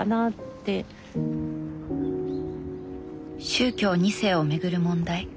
宗教２世をめぐる問題。